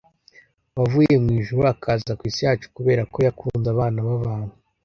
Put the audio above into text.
wavuye mu ijuru akaza ku isi yacu kubera ko yakunze abana b’abantu.